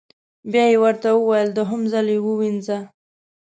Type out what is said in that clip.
بیا یې ورته وویل: دویم ځل یې ووینځه.